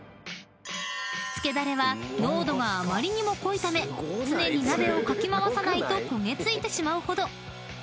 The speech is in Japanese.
［つけだれは濃度があまりにも濃いため常に鍋をかき回さないと焦げ付いてしまうほど］